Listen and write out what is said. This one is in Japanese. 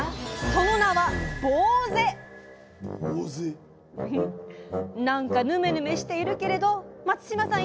その名はなんかぬめぬめしているけれど松嶋さん